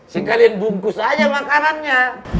sekalian bungkus aja makannya